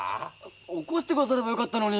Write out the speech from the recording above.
起こして下さればよかったのに。